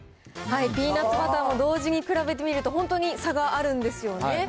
ピーナッツバターを同時に比べてみると、本当に、差があるんですよね。